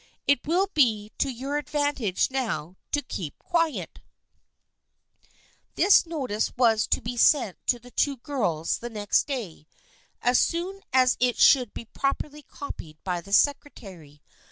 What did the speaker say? It will be to your advantage now to Keep Quiet !" This notice was to be sent to the two girls the next day, as soon as it should be properly copied by the secretary.